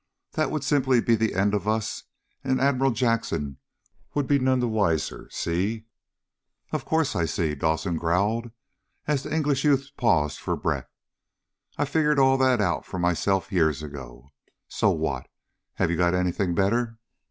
That would simply be the end of us, and Admiral Jackson would be none the wiser, see?" "Of course I see!" Dawson growled as the English youth paused for breath. "I figured all that out for myself years ago. So what? Have you got anything better?"